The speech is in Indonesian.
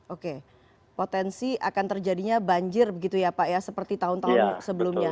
oke potensi akan terjadinya banjir begitu ya pak ya seperti tahun tahun sebelumnya